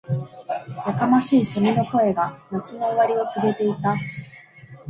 •やかましい蝉の声が、夏の終わりを告げていた。